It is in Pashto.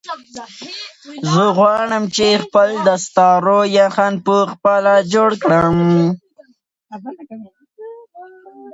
زه غواړم چې خپل د ستارو یخن په خپله جوړ کړم.